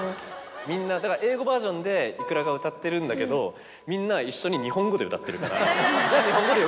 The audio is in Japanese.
みんなだから英語バージョンでｉｋｕｒａが歌ってるんだけどみんな一緒に日本語で歌ってるからじゃあ。